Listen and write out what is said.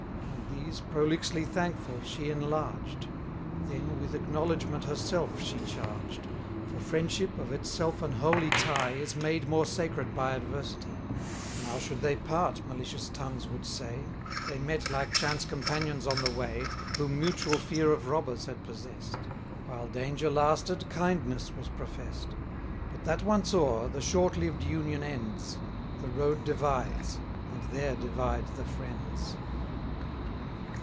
On these, prolixly thankful, she enlarged; Then with acknowledgment herself she charged; For friendship, of itself an holy tie, Is made more sacred by adversity. Now should they part, malicious tongues would say, They met like chance companions on the way, 50 Whom mutual fear of robbers had possess'd; While danger lasted, kindness was profess'd; But that once o'er, the short lived union ends; The road divides, and there divide the friends.